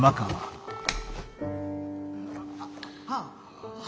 あっはあ。